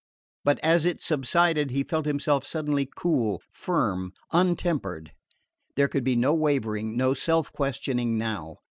But as it subsided he felt himself suddenly cool, firm, attempered. There could be no wavering, no self questioning now.